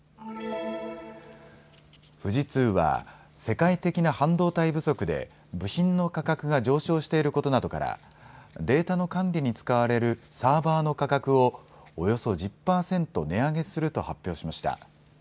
富士通は世界的な半導体不足で部品の価格が上昇していることなどからデータの管理に使われるサーバーの価格をおよそ１０％値上げすると発表しました。